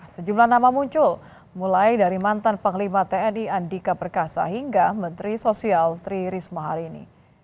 sejumlah nama muncul mulai dari mantan panglima tni andika perkasa hingga menteri sosial tri risma hari ini